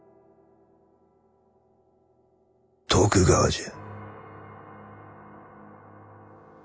徳川じゃ。